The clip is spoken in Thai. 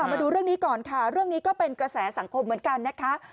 มาดูเรื่องนี้ก่อนค่ะเรื่องนี้ก็เป็นกระแสสังคมเหมือนกันนะคะ